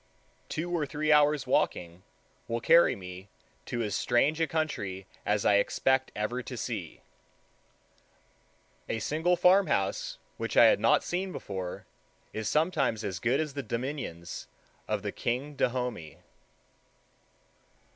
Two or three hours' walking will carry me to as strange a country as I expect ever to see. A single farmhouse which I had not seen before is sometimes as good as the dominions of the king of Dahomey.